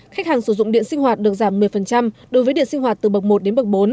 khách hàng sử dụng điện sinh hoạt được giảm một mươi đối với điện sinh hoạt từ bậc một đến bậc bốn